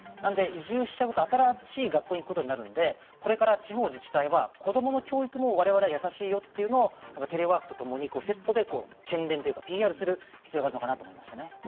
移住しちゃうと新しい学校に行くことになるので、これから地方自治体は子供の教育も我々はやさしいよということをテレワークとセットでＰＲする必要があると思います。